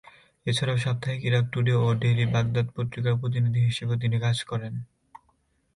এছাড়া সাপ্তাহিক Iraq today ও ডেইলি বাগদাদ পত্রিকার প্রতিনিধি হিসাবেও তিনি কাজ করেন।